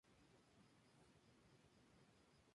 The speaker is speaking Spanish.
La mayoría de sus edificios están bajo protección oficial.